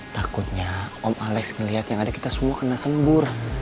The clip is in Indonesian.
takutnya om alex melihat yang ada kita semua kena sembuh